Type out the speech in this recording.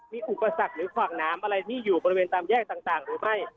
มีอุปสรรคหรือขวางน้ำอะไรที่อยู่บริเวณตามแยกต่างหรือไม่